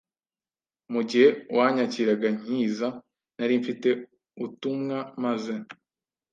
Mu gihe wanyakiraga nkiza nari mfite uutumwa maze